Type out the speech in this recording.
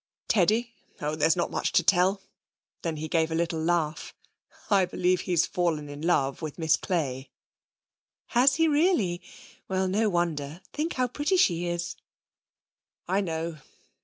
'Teddy! Oh, there's not much to tell.' Then he gave a little laugh. 'I believe he's fallen in love with Miss Clay.' 'Has he really? Well, no wonder; think how pretty she is.' 'I know.